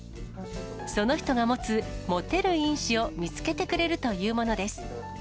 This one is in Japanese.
その人が持つモテる因子を見つけてくれるというものです。